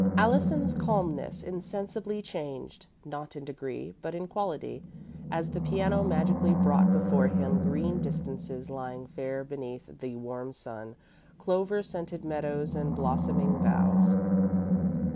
Allison's calmness insensibly changed, not in degree, but in quality, as the piano magically brought before him green distances lying fair beneath the warm sun, clover scented meadows and blossoming boughs.